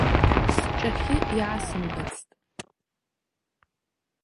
Сҿахьы иаасымгацт!